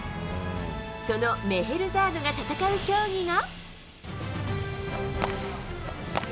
そのメヘルザードが戦う競技が。